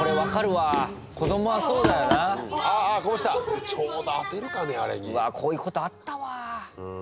わあこういうことあったわ。